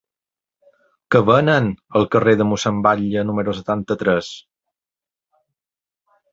Què venen al carrer de Mossèn Batlle número setanta-tres?